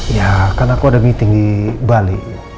ya karena aku ada meeting di bali